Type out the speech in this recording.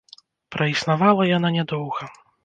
Праіснавала яна не доўга.